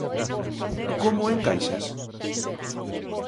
Como o encaixas?